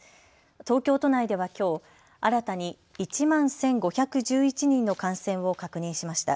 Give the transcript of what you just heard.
東京都内ではきょう新たに１万１５１１人の感染を確認しました。